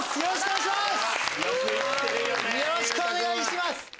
よろしくお願いします！